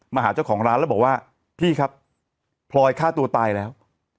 หาเจ้าของร้านแล้วบอกว่าพี่ครับพลอยฆ่าตัวตายแล้ว